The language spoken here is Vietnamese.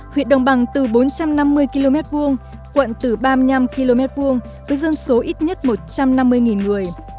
huyện đồng bằng từ bốn trăm năm mươi km hai quận từ ba mươi năm km hai với dân số ít nhất một trăm năm mươi người